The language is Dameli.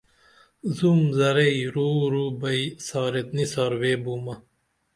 زوم زرئی روع روع بئی ساریت نسار وے بومہ